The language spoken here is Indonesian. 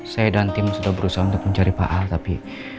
saya dan tim sudah berusaha untuk mencari paal tapi